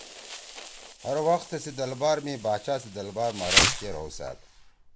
ہروخ تیِسی دلبار می باچا سی دلبار ما رش چیر ہؤسأد۔